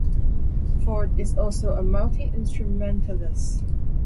Ford is also a multi-instrumentalist.